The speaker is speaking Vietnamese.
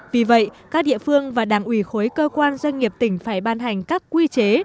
vì vậy các địa phương và đảng ủy khối cơ quan doanh nghiệp tỉnh phải ban hành các quy chế